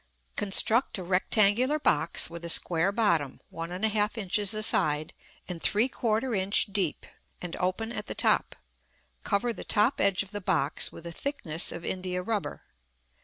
Construct a rectangular box, with a square bottom, 1 1/2 inches a side and 3/4 inch deep, and open at the top. Cover the top edge of the box with a thickness of india rubber.